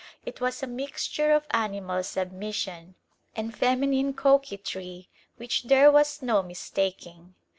It was a mixture of animal submission and feminine coquetry which there was no mistaking.